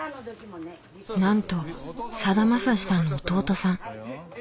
なんとさだまさしさんの弟さん。